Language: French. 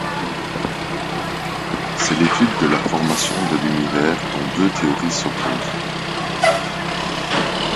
C’est l’étude de la formation de l'univers dont deux théories s'opposent.